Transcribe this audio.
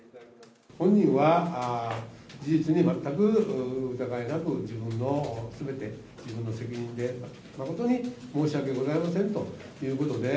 本人は、事実に全く疑いなく、自分のすべて、自分の責任で、誠に申し訳ございませんということで。